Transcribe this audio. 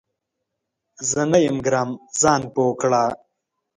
زه نه یم ګرم ، ځان پوه کړه !